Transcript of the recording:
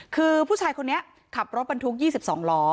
คือผู้ชายคนนี้ขับรถบรรทุก๒๒ล้อ